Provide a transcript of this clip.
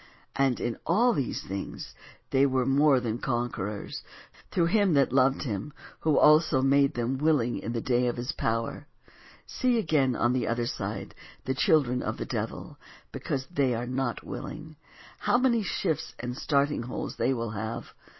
"And in all these things they were more than conquerors, through Him that loved them, '' who had also made them 4 ' willing in the day of His power. '' 2. See again, on the other side, the children of the devil, because they are not willing, how many shifts and starting holes they will have.